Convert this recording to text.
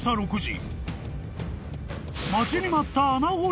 ［待ちに待った］